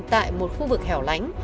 tại một khu vực hẻo lánh